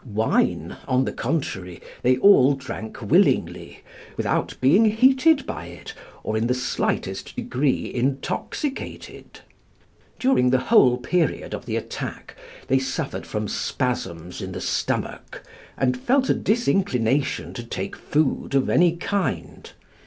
Wine, on the contrary, they all drank willingly, without being heated by it, or in the slightest degree intoxicated. During the whole period of the attack they suffered from spasms in the stomach, and felt a disinclination to take food of any kind.